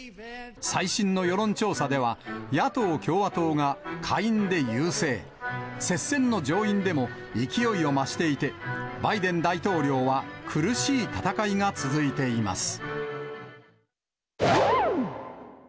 最新の世論調査では、野党・共和党が下院で優勢、接戦の上院でも勢いを増していて、バイデン大統領は苦しい戦いが続いています。